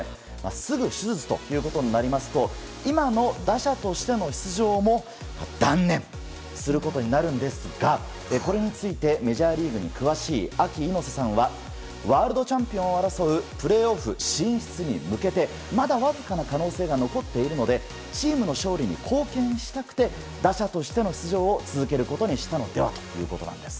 すぐ手術ということになりますと、今の打者としての出場も断念することになるんですが、これについて、メジャーリーグに詳しいアキ猪瀬さんは、ワールドチャンピオンを争うプレーオフ進出に向けて、まだわずかな可能性が残っているので、チームの勝利に貢献したくて、打者としての出場を続けることにしたのではということなんです。